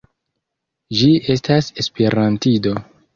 Ĝi estas esperantido.